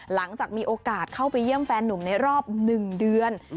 หลังจากมีโอกาสเข้าไปเยี่ยมแฟนหนุ่มในรอบ๑เดือน